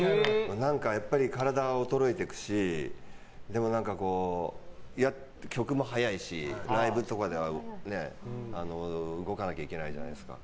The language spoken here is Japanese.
やっぱり体は衰えていくし曲も速いし、ライブとかでは動かなきゃいけないじゃないですか。